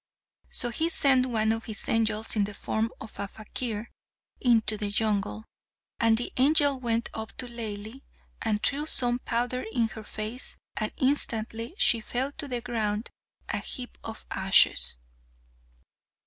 So he sent one of his angels in the form of a fakir into the jungle; and the angel went up to Laili, and threw some powder in her face, and instantly she fell to the ground a heap of ashes.